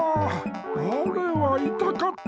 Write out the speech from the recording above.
あれはいたかった。